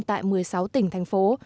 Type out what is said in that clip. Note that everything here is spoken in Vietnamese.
tại một mươi sáu tỉnh thành phố